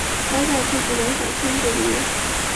待在自己的小圈子里